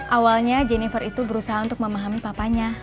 awalnya jennifer itu berusaha untuk memahami papanya